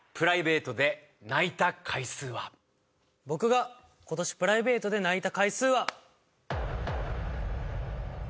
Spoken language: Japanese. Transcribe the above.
僕が今年プライベートで泣いた回数は。